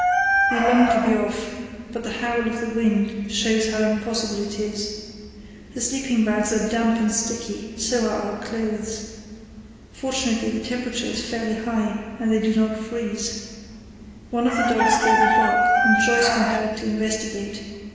We long to be off, but the howl of the wind shows how impossible it is. The sleeping bags are damp and sticky, so are our clothes. Fortunately, the temperature is fairly high and they do not freeze. One of the dogs gave a bark and Joyce went out to investigate.